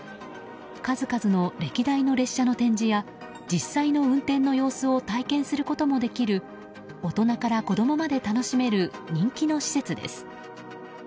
数々の歴代の列車の展示や実際の運転の様子を体験することもできる大人から子供まで楽しめる人気の施設です。